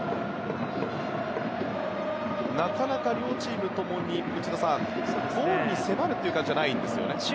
なかなか両チーム共に、内田さんゴールに迫るという感じではないですね。